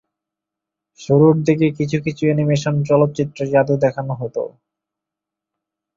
শুরুর দিকে কিছু কিছু অ্যানিমেশন চলচ্চিত্রে জাদু দেখানো হতো।